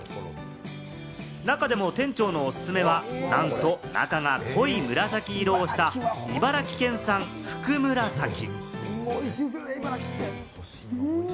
中でも店長のおすすめは、なんと中が濃い紫色をした、茨城県産ふくむらさき。